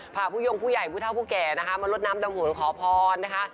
พาผู้ยงผู้ใหญ่ผู้เท่าผู้แก่นะคะมาลดน้ำดำหัวขอพรนะคะ